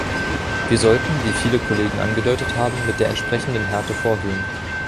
Wir sollten, wie viele Kollegen angedeutet haben, mit der entsprechenden Härte vorgehen.